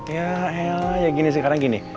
ya ya gini sih karena gini